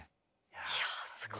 いやすごい。